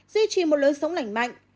duy trì một lối sống lành mạnh